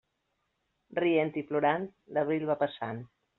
Rient i plorant, l'abril va passant.